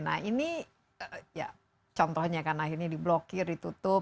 nah ini ya contohnya kan nah ini diblokir ditutup